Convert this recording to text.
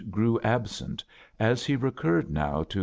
grew ^abSpuf .as he recurred now to ■